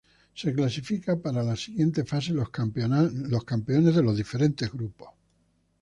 Se clasifica para la siguiente fase los campeones de los diferentes grupos.